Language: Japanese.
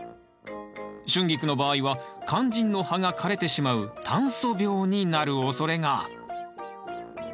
シュンギクの場合は肝心の葉が枯れてしまう炭疽病になるおそれが。